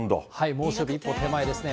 猛暑日一歩手前ですね。